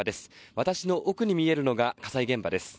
私の奥に見えるのが火災現場です。